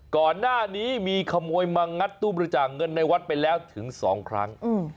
ก่อนหน้านี้มีขโมยมางัดตู้บริจาคเงินในวัดไปแล้วถึง๒ครั้ง